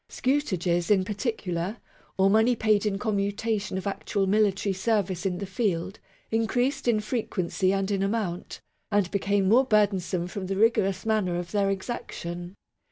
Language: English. Scutages, in particular, or money paid in commutation of actual military service in the field, MAGNA CARTA (1215 1915) 3 increased in frequency and in amount, and became more burdensome from the rigorous manner of their exaction.